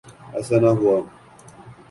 ایسا نہ ہوا۔